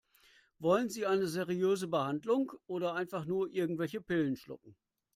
Wollen Sie eine seriöse Behandlung oder einfach nur irgendwelche Pillen schlucken?